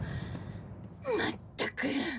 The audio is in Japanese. まったく。